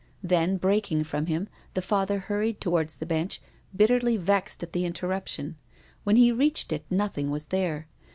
Then, breaking from him, the Father hurried towards the bench, bitterly vexed at the interrup tion. When he reached it nothing was there.